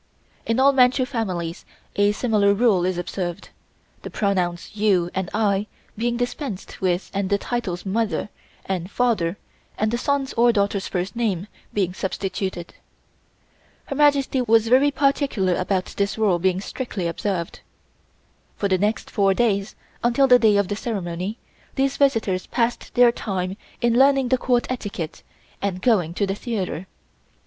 In all Manchu families a similar rule is observed, the pronouns "You" and "I" being dispensed with and the titles "Mother" and "Father" and the son's or daughter's first name being substituted. Her Majesty was very particular about this rule being strictly observed. For the next four days, until the day of the ceremony, these visitors passed their time in learning the Court etiquette and going to the theatre.